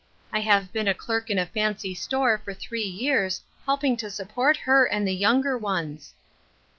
I have been a clerk in a fancy store for three years, help ing to support her and the younger ones."